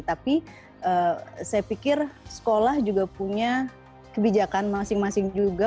tapi saya pikir sekolah juga punya kebijakan masing masing juga